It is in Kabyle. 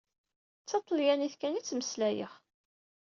D taṭalyanit kan i ttmeslayeɣ.